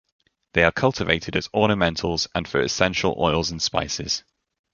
They are cultivated as ornamentals and for essential oils and spices.